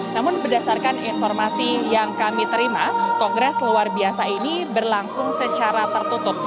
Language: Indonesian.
namun berdasarkan informasi yang kami terima kongres luar biasa ini berlangsung secara tertutup